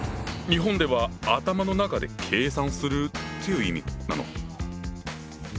日本では「頭の中で計算する」という意味なの？